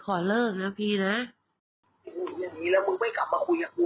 ขอเลิกนะพี่นะอย่างงี้แล้วมึงไม่กลับมาคุยกับกู